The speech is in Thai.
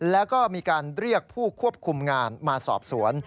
แล้วก็มีการเรียกผู้ควบคุมงานมาสอบสวน